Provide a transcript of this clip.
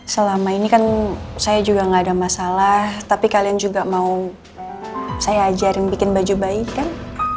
selama ini kan saya juga gak ada masalah tapi kalian juga mau saya ajarin bikin baju bayi kan